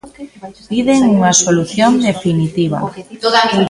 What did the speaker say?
Piden unha solución definitiva.